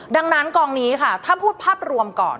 ดังนั้นกองนี้ค่ะถ้าพูดภาพรวมก่อน